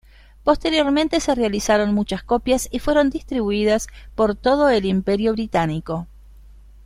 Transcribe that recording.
Posteriormente se realizaron muchas copias y fueron distribuidas por todo el Imperio británico.